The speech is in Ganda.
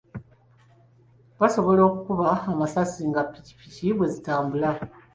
Basobola okukuba amasasi nga ppikipiki bwe zitambula.